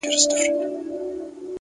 حقیقت ورو خو قوي څرګندېږي!.